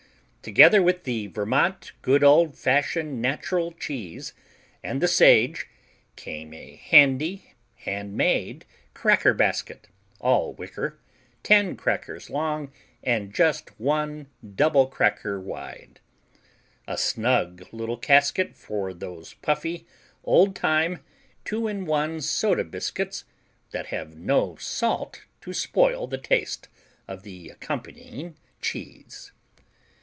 Together with the Vermont Good Old fashioned Natural Cheese and the Sage came a handy handmade Cracker Basket, all wicker, ten crackers long and just one double cracker wide. A snug little casket for those puffy, old time, two in one soda biscuits that have no salt to spoil the taste of the accompanying cheese.